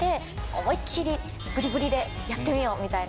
思いっきりぶりぶりでやってみようみたいな。